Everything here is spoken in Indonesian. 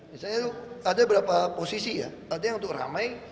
misalnya ada beberapa posisi ya ada yang untuk ramai